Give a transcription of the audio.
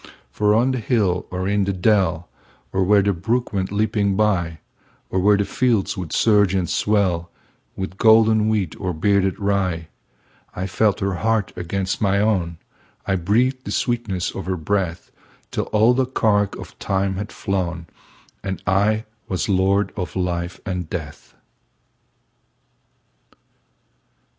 For on the hill or in the dell, Or where the brook went leaping byOr where the fields would surge and swellWith golden wheat or bearded rye,I felt her heart against my own,I breathed the sweetness of her breath, Till all the cark of time had flown, And I was lord of life and death.